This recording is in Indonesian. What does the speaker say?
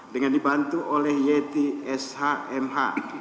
dengan dibantu oleh yeti shmh